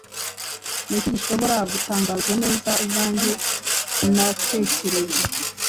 Niki gihobora gutangazwa neza ubwanjye natekereje